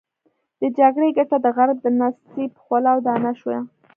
د جګړې ګټه د غرب د نصیب خوله او دانه شوه.